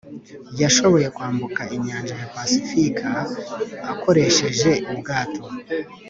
yashoboye kwambuka inyanja ya pasifika akoresheje ubwato.